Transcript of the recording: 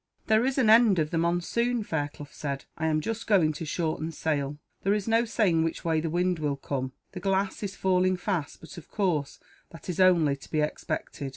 "There is an end of the monsoon," Fairclough said. "I am just going to shorten sail. There is no saying which way the wind will come. The glass is falling fast but, of course, that is only to be expected.